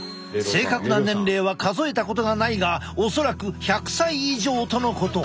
正確な年齢は数えたことがないが恐らく１００歳以上とのこと。